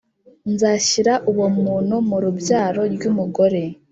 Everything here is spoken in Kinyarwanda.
Nzashyira uwo mu muntu murubyaro ryu mugore